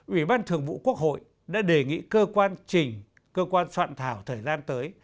ủy ban thường vụ quốc hội đã đề nghị cơ quan trình cơ quan soạn thảo thời gian tới